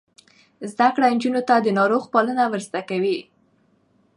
زده کړه نجونو ته د ناروغ پالنه ور زده کوي.